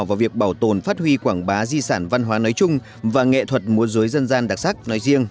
vào việc bảo tồn phát huy quảng bá di sản văn hóa nói chung và nghệ thuật múa dối dân gian đặc sắc nói riêng